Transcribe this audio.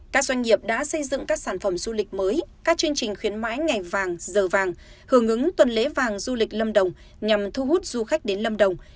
các chương trình khuyến mãi ngày vàng giờ vàng hưởng ứng tuần lễ vàng du lịch lâm đồng nhằm thu hút du khách đến lâm đồng